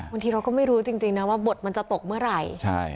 บางทีเราก็ไม่รู้จริงนะว่าบทมันจะตกเมื่อไหร่